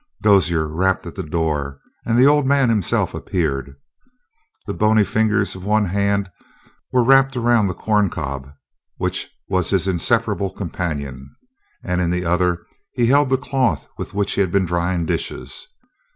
Dozier rapped at the door, and the old man himself appeared. The bony fingers of one hand were wrapped around the corncob, which was his inseparable companion, and in the other he held the cloth with which he had been drying dishes.